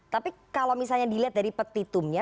tapi kalau misalnya dilihat dari petitumnya